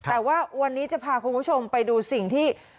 แต่ว่าวันนี้จะพาคุณผู้ชมไปดูสิ่งที่